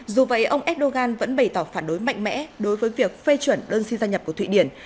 dù vậy ông erdogan vẫn bày tỏ phản đối mạnh mẽ đối với việc phê chuẩn đơn xin gia nhập của thụy điển